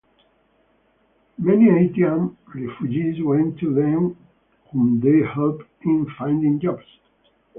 Many Haitian refugees went to them whom they helped in finding jobs.